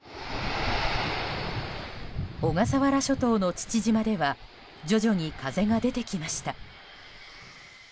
小笠原諸島の父島では徐々に風が出てきました。